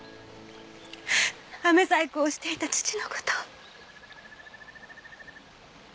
あめ細工をしていた父の事を。